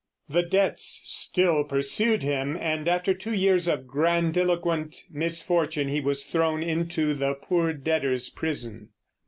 The debts still pursued him, and after two years of grandiloquent misfortune he was thrown into the poor debtors' prison.